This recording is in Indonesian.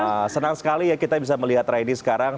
nah senang sekali ya kita bisa melihat raini sekarang